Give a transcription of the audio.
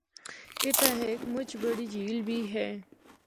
اِتھا ہک مُچ بڑی جھیل بھی ہے۔